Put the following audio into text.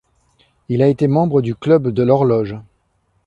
Il a été membre du Club de l'horloge.